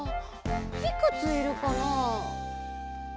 いくついるかな。